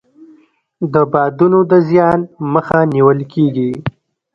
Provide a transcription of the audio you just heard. د بادونو د زیان مخه نیول کیږي.